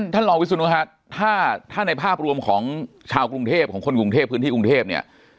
ท่านรองวิศนุฮะถ้าในภาพรวมของชาวกรุงเทพของคนกรุงเทพพื้นที่กรุงเทพเนี่ย